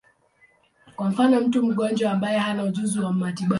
Kwa mfano, mtu mgonjwa ambaye hana ujuzi wa matibabu.